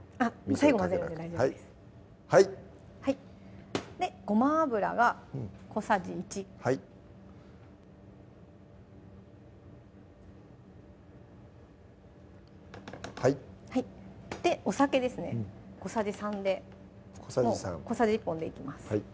最後混ぜるんで大丈夫ですはいでごま油が小さじ１はいはいでお酒ですね小さじ３で小さじ３もう小さじ１本でいきます